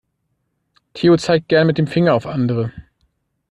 Theo zeigt gerne mit dem Finger auf andere.